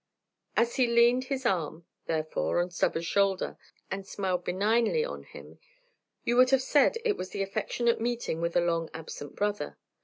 As he leaned his arm, therefore, on Stubber's shoulder, and smiled benignly on him, you would have said it was the affectionate meeting with a long absent brother.